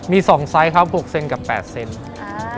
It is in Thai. มี๒ไซส์ครับ๖เซนติเมตรกับ๘เซนติเมตร